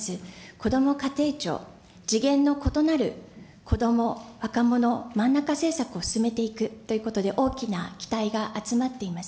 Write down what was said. こども家庭庁、次元の異なる子ども・若者真ん中政策を進めていくということで、大きな期待が集まっています。